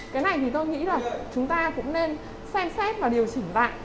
cái này thì tôi nghĩ là chúng ta cũng nên xem xét và điều chỉnh lại